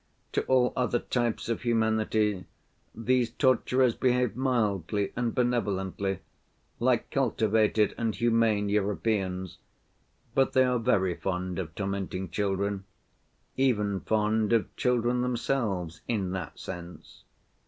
To all other types of humanity these torturers behave mildly and benevolently, like cultivated and humane Europeans; but they are very fond of tormenting children, even fond of children themselves in that sense.